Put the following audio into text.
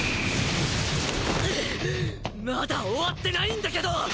うっまだ終わってないんだけど！